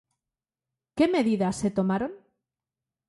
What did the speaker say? Que medidas se tomaron?